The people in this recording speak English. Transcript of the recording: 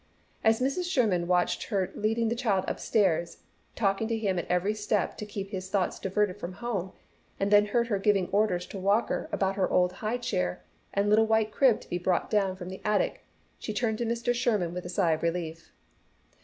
As Mrs. Sherman watched her leading the child up stairs, talking to him at every step to keep his thoughts diverted from home, and then heard her giving orders to Walker about her old high chair and little white crib to be brought down from the attic, she turned to Mr. Sherman with a sigh of relief.